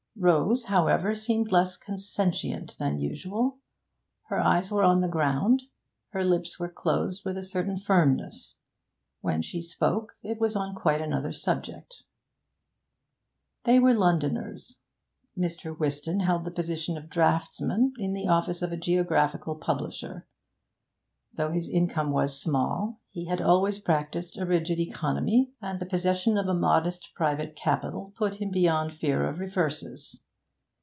Rose, however, seemed less consentient than usual. Her eyes were on the ground; her lips were closed with a certain firmness. When she spoke, it was on quite another subject. They were Londoners. Mr. Whiston held the position of draughtsman in the office of a geographical publisher; though his income was small, he had always practised a rigid economy, and the possession of a modest private capital put him beyond fear of reverses.